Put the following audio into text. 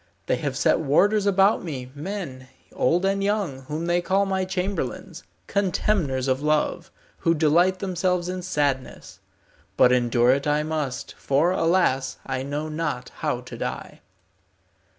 They have set warders about me, men, old and young, whom they call my chamberlains, contemners of love, who delight themselves in sadness. But endure it I must, for, alas, I know not how to die."